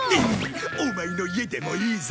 オマエの家でもいいぞ。